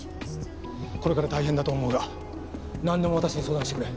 これから大変だと思うがなんでも私に相談してくれ。